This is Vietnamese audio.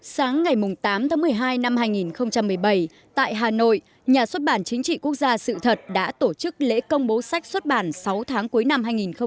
sáng ngày tám tháng một mươi hai năm hai nghìn một mươi bảy tại hà nội nhà xuất bản chính trị quốc gia sự thật đã tổ chức lễ công bố sách xuất bản sáu tháng cuối năm hai nghìn một mươi chín